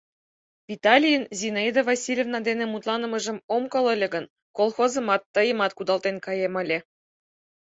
Виталийын Зинаида Васильевна дене мутланымыжым ом кол ыле гын, колхозымат, тыйымат кудалтен каем ыле.